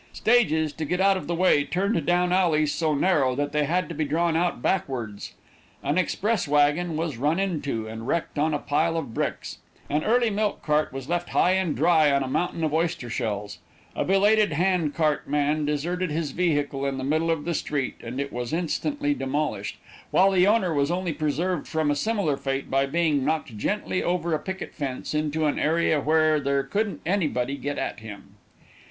Stages, to get out of the way, turned down alleys so narrow that they had to be drawn out backwards; an express wagon was run into, and wrecked on a pile of bricks; an early milk cart was left high and dry on a mountain of oyster shells; a belated hand cart man deserted his vehicle in the middle of the street, and it was instantly demolished, while the owner was only preserved from a similar fate by being knocked gently over a picket fence into an area, where there couldn't anybody get at him.